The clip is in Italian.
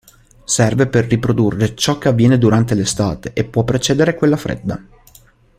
Serve per riprodurre ciò che avviene durante l'estate e può precedere quella fredda.